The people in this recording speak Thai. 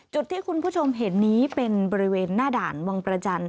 จุดที่คุณผู้ชมเห็นนี้เป็นบริเวณหน้าด่านวังประจันทร์